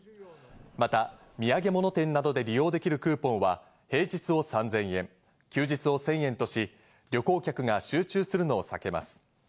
また土産物店などで利用できるクーポンは平日を３０００円、休日を１０００円とし、旅行客が集中するのを避けます。